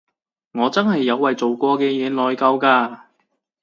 我真係有為做過嘅嘢內疚㗎